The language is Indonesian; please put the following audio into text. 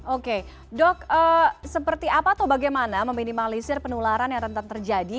oke dok seperti apa atau bagaimana meminimalisir penularan yang rentan terjadi